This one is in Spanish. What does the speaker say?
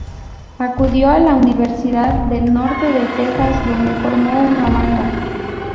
Acudió a la Universidad del Norte de Texas, donde formó una banda.